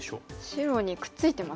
白にくっついてますね。